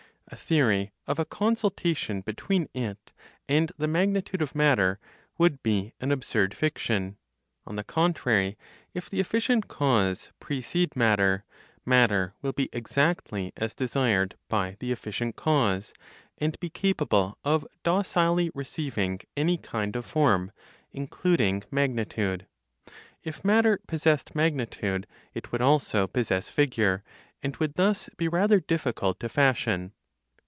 A theory of a consultation between it and the magnitude of matter would be an absurd fiction. On the contrary, if the efficient cause precede matter, matter will be exactly as desired by the efficient cause, and be capable of docilely receiving any kind of form, including magnitude. If matter possessed magnitude, it would also possess figure, and would thus be rather difficult to fashion.